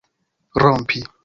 rompi